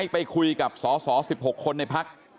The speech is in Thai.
ไปคุยกับสส๑๖คนในพัก